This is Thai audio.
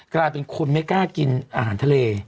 กลายเป็นคนไม่กล้ากินอาหารทะเล